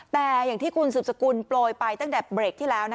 แต่อย่างที่คุณสืบสกุลโปรยไปตั้งแต่เบรกที่แล้ว